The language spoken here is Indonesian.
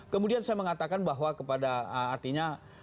kemudian saya mengatakan bahwa kepada artinya